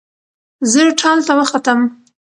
زه ټال ته وختم